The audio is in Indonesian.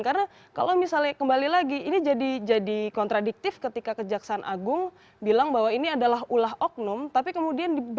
karena kalau misalnya kembali lagi ini jadi kontradiktif ketika kejaksaan agung bilang bahwa ini adalah ulah oknum tapi kemudian diberikan